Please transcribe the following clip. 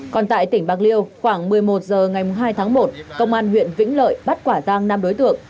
còn tại tỉnh bạc liêu khoảng một mươi một h ngày hai tháng một công an huyện vĩnh lợi bắt quả tang năm đối tượng